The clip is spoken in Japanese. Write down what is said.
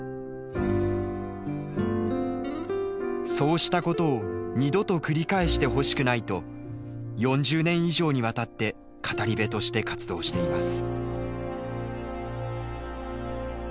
そうしたことを二度と繰り返してほしくないと４０年以上にわたって語り部として活動しています。